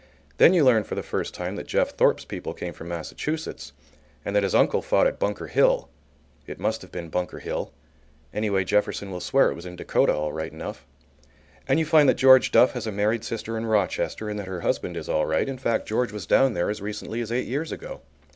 Then you learn for the first time that Jeff Thorpe's people came from Massachusetts and that his uncle fought at Bunker Hill (it must have been Bunker Hill, anyway Jefferson will swear it was in Dakota all right enough); and you find that George Duff has a married sister in Rochester and that her husband is all right; in fact, George was down there as recently as eight years ago.